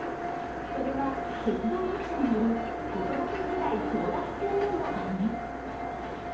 それは鉄道各社による子育て世代争奪戦でもあります。